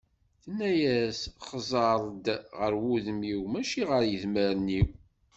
Tenna-yas xẓer-d ɣer wudem-iw, mačči ɣer yedmaren-iw.